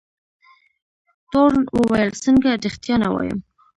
تورن وویل څنګه رښتیا نه وایم.